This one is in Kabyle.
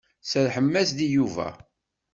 Serrḥem-as-d i Yuba.